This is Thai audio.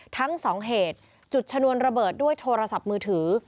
ทั้งสองเหตุจุดชนวนระเบิดด้วยโทรศัพท์มือถือ